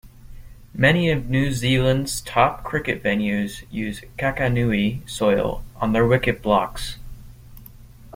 Many of New Zealands's top cricket venues use Kakanui soil on their wicket blocks.